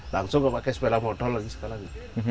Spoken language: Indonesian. langsung gak pakai sepeda motor lagi sekarang